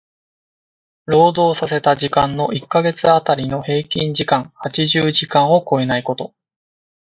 労働させた時間の一箇月当たりの平均時間八十時間を超えないこと。